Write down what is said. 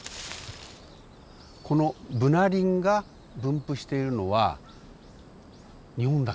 このブナ林が分布しているのは日本だけじゃない。